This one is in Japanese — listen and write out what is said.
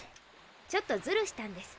ちょっとズルしたんです。